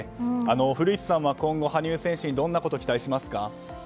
古市さんは今後羽生選手にどんなことを期待しますか？